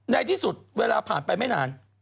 ในที่สุดเวลาผ่านไปไม่นาน